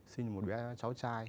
xin một đứa cháu trai